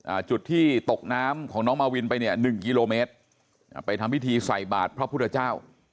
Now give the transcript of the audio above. อ่าจุดที่ตกน้ำของน้องมาวินไปเนี่ยหนึ่งกิโลเมตรอ่าไปทำพิธีใส่บาทพระพุทธเจ้า